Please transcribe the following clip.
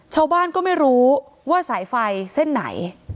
ชาวบ้านก็ไม่รู้ว่าสายไฟเส้นไหน